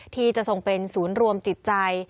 ที่จะทรงเป็นศูนย์รวมจิตใจ